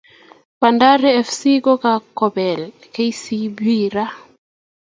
Bandari fc ko kokibel kcb raa